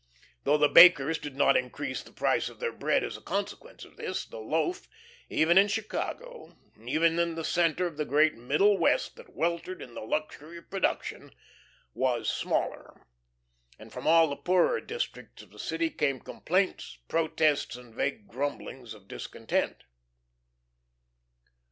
Though the bakers did not increase the price of their bread as a consequence of this, the loaf even in Chicago, even in the centre of that great Middle West that weltered in the luxury of production was smaller, and from all the poorer districts of the city came complaints, protests, and vague grumblings of discontent.